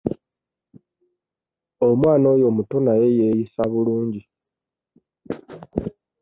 Omwana oyo muto naye yeeyisa bulungi.